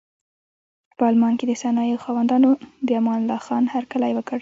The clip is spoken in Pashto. په المان کې د صنایعو خاوندانو د امان الله خان هرکلی وکړ.